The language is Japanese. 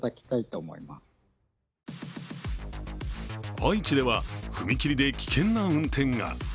愛知では、踏切で危険な運転が。